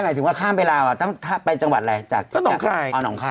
หมายถึงว่าข้ามไปลาวอ่ะต้องไปจังหวัดอะไรจากหนองคายเอาหนองคาย